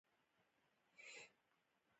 د مصریانو پلازمېنه رامنځته شوه.